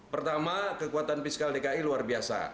pertama kekuatan fiskal dki luar biasa